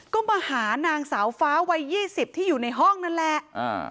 ก็มาหานางสาวฟ้าวัย๒๐ที่อยู่ในห้องนั่นแหละ